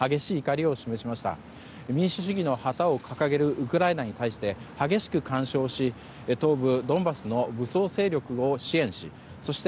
民主主義の旗を掲げるウクライナに対して激しく干渉し、東部ドンバスの武装勢力を支援しそして